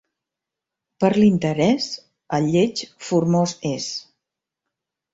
Per l'interès, el lleig formós és.